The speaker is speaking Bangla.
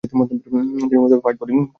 তিনি মূলতঃ ফাস্ট বোলিং করতেন।